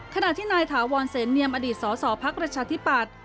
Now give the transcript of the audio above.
ขณะที่นายถาวรเศรษฐ์เนียมอดีตสศภรรชาธิปัตร